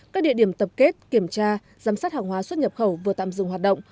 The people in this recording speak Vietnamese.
các địa điểm tập kết kiểm tra giám sát hàng hóa xuất nhập khẩu vừa tạm dừng hoạt động